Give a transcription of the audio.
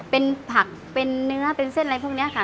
เป็นผักเป็นเนื้อเป็นเส้นอะไรพวกนี้ค่ะ